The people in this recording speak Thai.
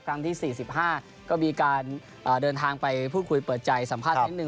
ที่๔๕ก็มีการเดินทางไปพูดคุยเปิดใจสัมภาษณ์นิดนึ